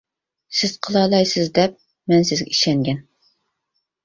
سىز قىلالايسىز دەپ، مەن سىزگە ئىشەنگەن.